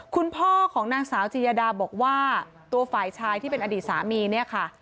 คุณพ่อของนางสาวจียดาบอกว่าตัวฝ่ายชายที่เป็นอดีตสามีเนี่ยค่ะ